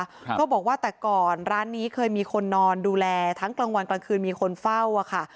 เขาบอกว่าแต่ก่อนร้านนี้เคยมีคนนอนดูแลทั้งกลางวันกลางคืนมีคนเฝ้าอ่ะค่ะ